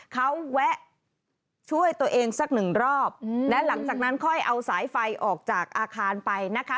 เขาแวะช่วยตัวเองสักหนึ่งรอบและหลังจากนั้นค่อยเอาสายไฟออกจากอาคารไปนะคะ